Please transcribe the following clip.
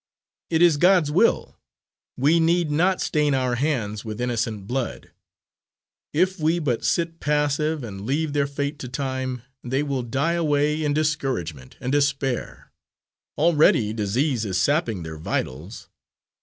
"It is God's will. We need not stain our hands with innocent blood. If we but sit passive, and leave their fate to time, they will die away in discouragement and despair. Already disease is sapping their vitals.